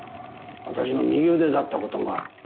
私の右腕だったこともある。